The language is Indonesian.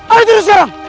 ada yang turun sekarang